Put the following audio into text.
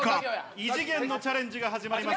異次元のチャレンジが始まります。